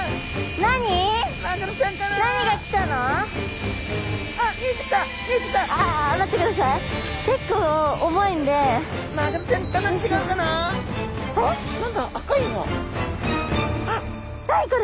何これ？